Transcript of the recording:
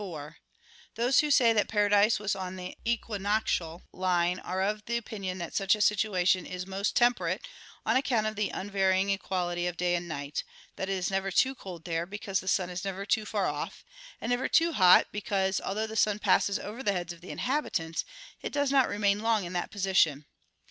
4: Those who say that paradise was on the equinoctial line are of opinion that such a situation is most temperate, on account of the unvarying equality of day and night; that it is never too cold there, because the sun is never too far off; and never too hot, because, although the sun passes over the heads of the inhabitants, it does not remain long in that position.